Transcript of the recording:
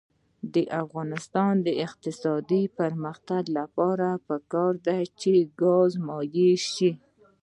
د افغانستان د اقتصادي پرمختګ لپاره پکار ده چې ګاز مایع شي.